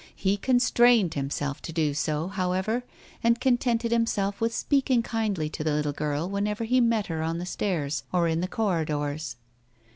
He constrained himself to do so, how ever, and contented himself with speaking kindly to the little girl whenever he met her on the stairs or in the corridors.